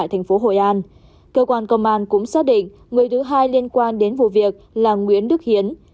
thành phố hội an cơ quan công an cũng xác định người thứ hai liên quan đến vụ việc là nguyễn đức hiến